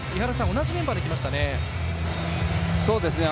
同じメンバーで来ましたね。